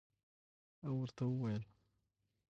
او ورته ووېل